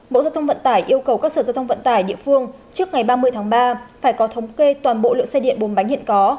bộ giao thông vận tải yêu cầu các sở giao thông vận tải địa phương trước ngày ba mươi tháng ba phải có thống kê toàn bộ lượng xe điện bốn bánh hiện có